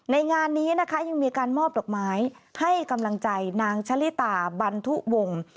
งานนี้นะคะยังมีการมอบดอกไม้ให้กำลังใจนางชะลิตาบันทุวงศ์